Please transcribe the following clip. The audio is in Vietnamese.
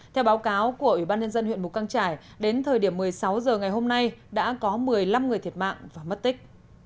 theo báo cáo của ủy ban nhân dân huyện mù căng trải đến thời điểm một mươi sáu h ngày hôm nay đã có một mươi năm người thiệt mạng và mất tích